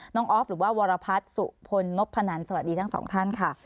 ออฟหรือว่าวรพัฒน์สุพลนพนันสวัสดีทั้งสองท่านค่ะ